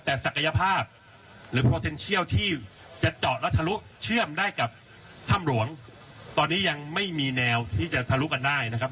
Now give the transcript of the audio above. แต่ศักยภาพหรือโปรเทนเชียลที่จะเจาะและทะลุเชื่อมได้กับถ้ำหลวงตอนนี้ยังไม่มีแนวที่จะทะลุกันได้นะครับ